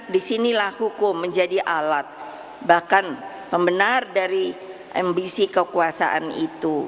disinilah hukum menjadi alat bahkan membenar dari ambisi kekuasaan itu